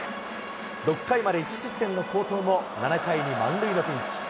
６回まで１失点の好投も、７回に満塁のピンチ。